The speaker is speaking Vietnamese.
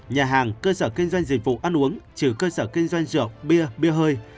nhà hàng cơ sở kinh doanh dịch vụ ăn uống trừ cơ sở kinh doanh rượu bia bia hơi